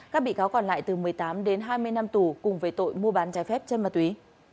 các bị cáo còn lại từ một mươi tám đến hai mươi năm tù cùng về tội mua bán trái phép chân ma túy